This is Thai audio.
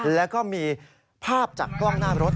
แล้วก็มีภาพจากกล้องหน้ารถ